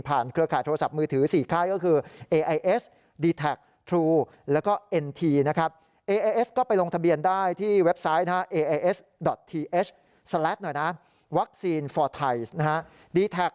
ผ่านเครือข่ายโทรศัพท์มือถือ๔ค่ายก็คือ